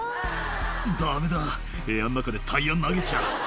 「ダメだ部屋ん中でタイヤ投げちゃ」